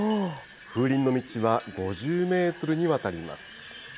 風鈴の道は５０メートルにわたります。